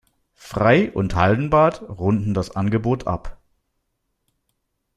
Frei- und Hallenbad runden das Angebot ab.